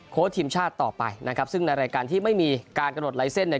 ทีมชาติต่อไปนะครับซึ่งในรายการที่ไม่มีการกำหนดลายเส้นเนี่ย